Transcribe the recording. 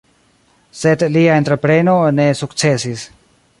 Sed lia entrepreno ne sukcesis.